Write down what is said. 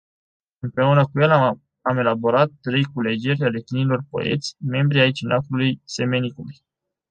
Împreună cu el am elaborat trei culegeri ale tinerilor poeți, membrii ai Cenaclului Semenicul.